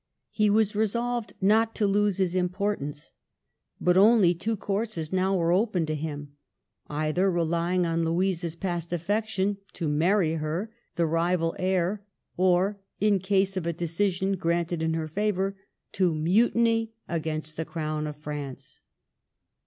He was resolved not to lose his importance. But only two courses now were open to him : either, relying on Louisa's past affection, to marry her, the rival heir, or, in case of a decision granted in her favor, to mutiny against the crown of France.